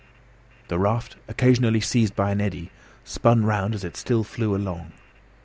The raft, occasionally seized by an eddy, spun round as it still flew along.